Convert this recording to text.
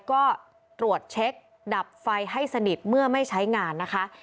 ก็ตรวจเช็คดับไฟให้สนิทเมื่อไม่ใช้งานนะคะ